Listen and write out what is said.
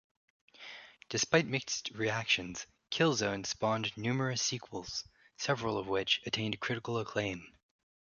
Despite mixed reactions, "Killzone" spawned numerous sequels, several of which attained critical acclaim.